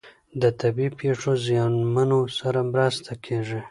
د طبیعي پیښو زیانمنو سره مرسته کیږي.